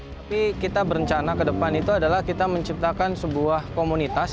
tapi kita berencana ke depan itu adalah kita menciptakan sebuah komunitas